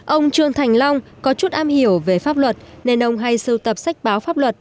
ông trương thành long có chút am hiểu về pháp luật nên ông hay sưu tập sách báo pháp luật